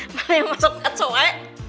mana yang masuk kat soe